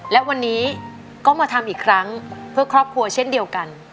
และวันนี้ก็มาทำอีกครั้งเพื่อครอบครัวเช่นเดียวกัน